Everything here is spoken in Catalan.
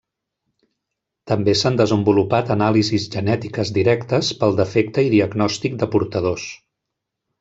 També s’han desenvolupat anàlisis genètiques directes pel defecte i diagnòstic de portadors.